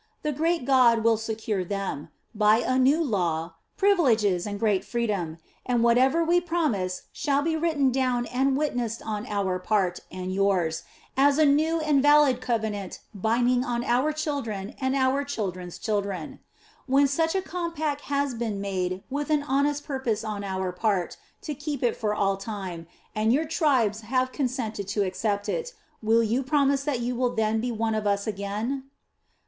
The 'great god' will secure to them, by a new law, privileges and great freedom, and whatever we promise shall be written down and witnessed on our part and yours as a new and valid covenant binding on our children and our children's children. When such a compact has been made with an honest purpose on our part to keep it for all time, and your tribes have consented to accept it, will you promise that you will then be one of us again?"